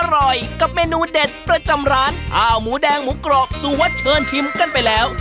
อร่อยกับเมนูเด็ดประจำร้านข้าวหมูแดงหมูกรอบสุวัสดิเชิญชิมกันไปแล้ว